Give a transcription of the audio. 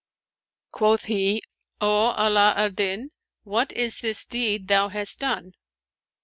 " Quoth he, " O Ala al Din, what is this deed thou hast done